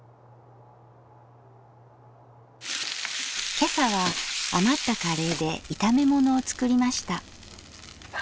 今朝は余ったカレーで炒め物を作りました。